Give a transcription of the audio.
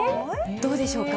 どうでしょうか。